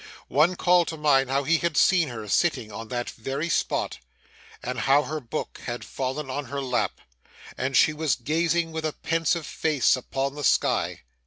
One called to mind how he had seen her sitting on that very spot, and how her book had fallen on her lap, and she was gazing with a pensive face upon the sky.